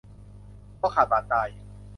คอขาดบาดตาย